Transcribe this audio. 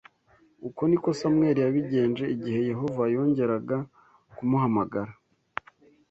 Uko ni ko Samweli yabigenje igihe Yehova yongeraga kumuhamagara